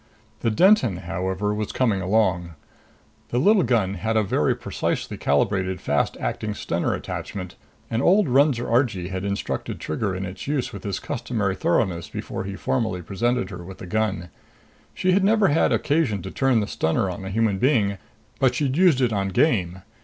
The Denton, however, was coming along. The little gun had a very precisely calibrated fast acting stunner attachment, and old Runser Argee had instructed Trigger in its use with his customary thoroughness before he formally presented her with the gun. She had never had occasion to turn the stunner on a human being, but she'd used it on game.